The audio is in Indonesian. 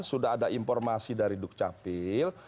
sudah ada informasi dari duk capil